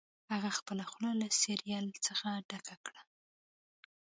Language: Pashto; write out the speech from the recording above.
هغه خپله خوله له سیریل څخه ډکه کړه